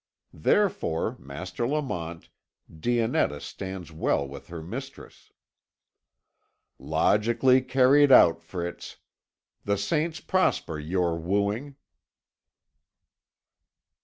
Therefore, Master Lamont, Dionetta stands well with her mistress." "Logically carried out, Fritz. The saints prosper your wooing."